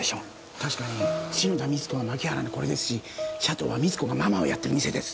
確かに篠田美津子は槇原のコレですし「シャトー」は美津子がママをやってる店です。